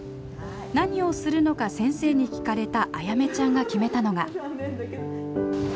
何をするのか先生に聞かれたあやめちゃんが決めたのが。